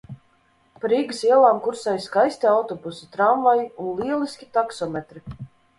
Pa Rīgas ielām kursēja skaisti autobusi, tramvaji un lieliski taksometri.